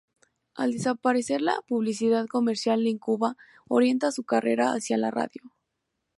Al desaparecer la publicidad comercial en Cuba, orienta su carrera hacia la radio.